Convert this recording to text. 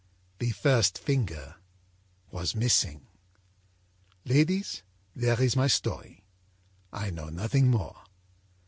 The first finger was missing. âLadies, there is my story. I know nothing more.